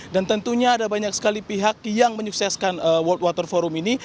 dan tentunya ada banyak sekali pihak yang menyukseskan world water forum ini